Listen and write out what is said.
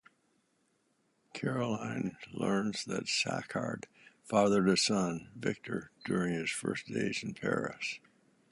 Caroline learns that Saccard fathered a son, Victor, during his first days in Paris.